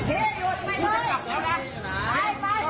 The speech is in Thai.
ไปไปไปพี่หว่าพี่หว่า